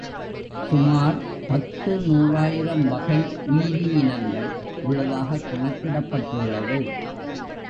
சுமார் பத்துநூறாயிரம் வகை உயிரி இனங்கள் உள்ளதாகக் கணக்கிடப்பட் டுள்ளது.